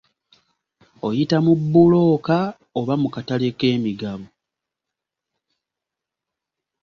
Oyita mu bbulooka oba mu katale k'emigabo.